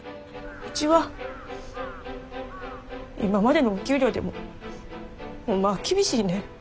ウチは今までのお給料でもホンマは厳しいねん。